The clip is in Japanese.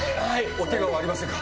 おケガはありませんか？